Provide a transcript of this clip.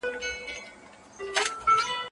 ذره غوندي وجود یې د اټوم زور شرمولی